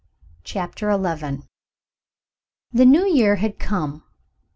CHAPTER XI The New Year had come.